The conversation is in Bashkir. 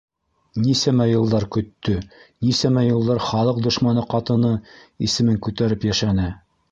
Нисәмә йылдар көттө, нисәмә йылдар «халыҡ дошманы ҡатыны» исемен кутәреп йәшәне...